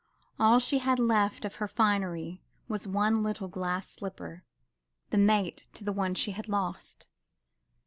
All she had left of her finery was one little glass slipper, the mate to the one she had lost.